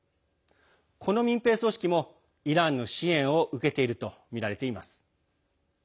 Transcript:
この民兵組織もイランの支援を受けているとみられています。